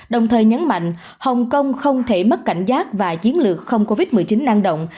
đồng thời nhấn mạnh hồng kông không thể mất cảnh giác và chiến lược không covid một mươi chín năng động